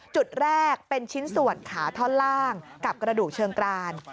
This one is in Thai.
จุดแรกเป็นชิ้นส่วนขาท่อนล่างกับกระดูกเชิงกราน